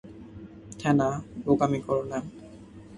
থেনা, বোকামি কোরো না।